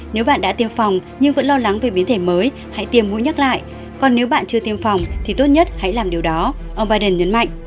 nếu bạn đã tiêm phòng nhưng vẫn lo lắng về biến thể mới hãy tiêm mũi nhắc lại còn nếu bạn chưa tiêm phòng thì tốt nhất hãy làm điều đó ông biden nhấn mạnh